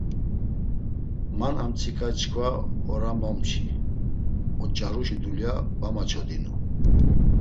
Man armtsika çkva ora momçi, oç̆aruşi dulya va maçodinu.